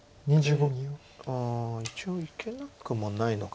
一応いけなくもないのか。